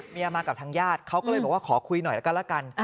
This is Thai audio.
เมียมากับทางญาติเขาก็เลยบอกว่าขอคุยหน่อยละกัน